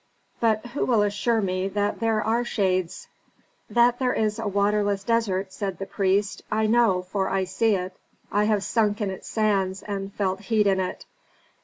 But who will assure me that there are shades?" "That there is a waterless desert," said the priest, "I know, for I see it, I have sunk in its sands and felt heat in it.